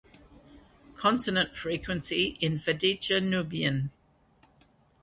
Consonant Frequency in Fadicca Nubian.